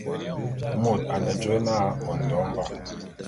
Mot ane jôé na Ondo Mba.